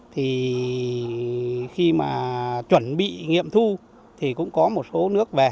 thì khi mà chuẩn bị nghiệm thu thì cũng có một số nước về